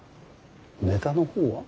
ネタの方は？